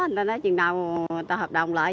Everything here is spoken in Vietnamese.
người ta nói chừng nào người ta hợp đồng lại